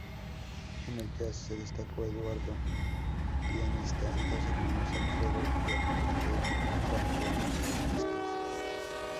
En el jazz se destacó Eduardo, pianista, y dos hermanos, Alfredo y Amadeo, bandoneonistas.